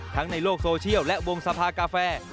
ในโลกโซเชียลและวงสภากาแฟ